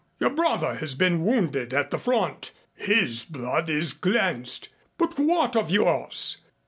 Your brother has been wounded at the front. His blood is cleansed. But what of yours?